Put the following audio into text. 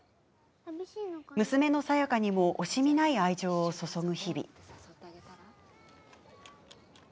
娘の清佳にも惜しみない愛情を注ぐ日々。